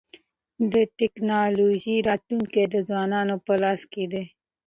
د ټکنالوژی راتلونکی د ځوانانو په لاس کي دی.